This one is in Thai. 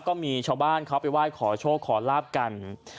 ก็มีชาวบ้านเขาไปไหว้ขอโชคขอลาบกัน